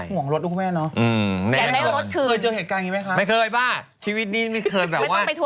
กระดึ๊บมาแล้วค่ะกระดึ๊บมาค่ะแอบนิดเนียนมานิด